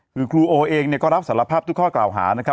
คือครูโอเองเนี่ยก็รับสารภาพทุกข้อกล่าวหานะครับ